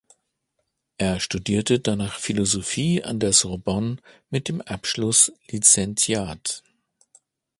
Er studierte danach Philosophie an der Sorbonne mit dem Abschluss Licentiat.